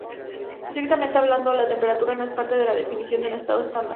Estrictamente hablando, la temperatura no es parte de la definición de un estado estándar.